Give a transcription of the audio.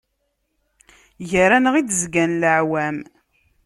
Ger-aneɣ i d-zgan leɛwam.